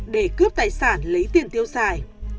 để cướp tài sản lấy tiền tiêu xài